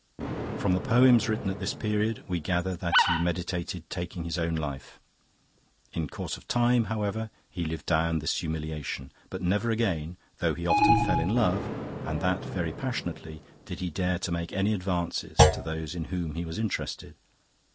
From the poems written at this period we gather that he meditated taking his own life. In course of time, however, he lived down this humiliation; but never again, though he often fell in love, and that very passionately, did he dare to make any advances to those in whom he was interested.